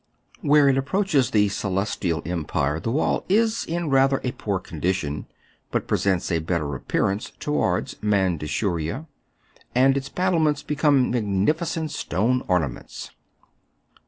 Where it approaches the Celestial Empire, the wall is in rather a poor condition, but presents a better appearance towards Mandshuria, and its battlements become magnificent stone ornaments.